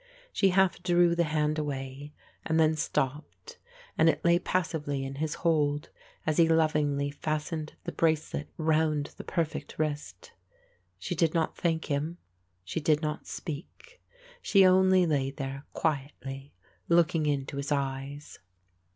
She half drew the hand away and then stopped and it lay passively in his hold as he lovingly fastened the bracelet round the perfect wrist. She did not thank him; she did not speak; she only lay there quietly looking into his eyes.